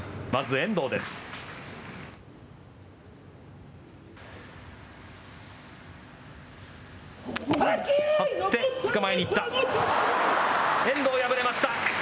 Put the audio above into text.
遠藤、敗れました。